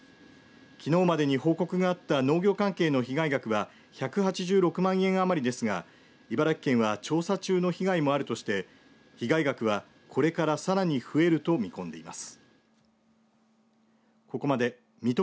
きのうまでに報告があった農業関係の被害額は１８６万円余りですが、茨城県は調査中の被害もあるとして被害額はこれからさらに増えると見込んでいます。